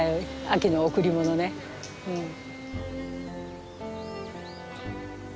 秋の贈りものねうん。